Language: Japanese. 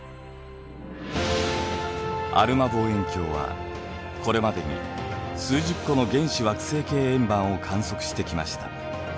アルマ望遠鏡はこれまでに数十個の原始惑星系円盤を観測してきました。